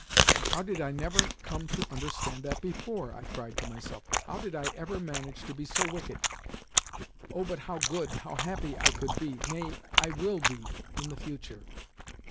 "How did I never come to understand that before?" I cried to myself. "How did I ever manage to be so wicked? Oh, but how good, how happy, I could be nay, I WILL be in the future!